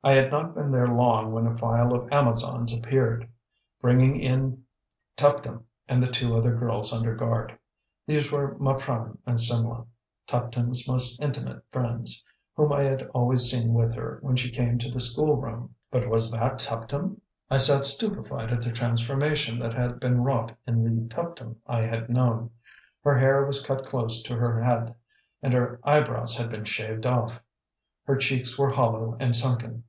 I had not been there long when a file of Amazons appeared, bringing in Tuptim and the two other girls under guard. These were Maprang and Simlah, Tuptim's most intimate friends, whom I had always seen with her when she came to the school room. But was that Tuptim? I sat stupefied at the transformation that had been wrought in the Tuptim I had known. Her hair was cut close to her head, and her eyebrows had been shaved off. Her cheeks were hollow and sunken.